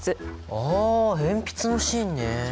あ鉛筆の芯ね。